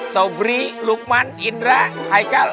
sobri lukman idra haikal